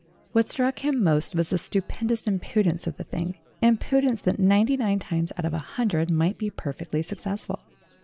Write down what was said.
What struck him most was the stupendous im pudence of the thing impudence that ninety nine times out of a hundred might be perfectly successful.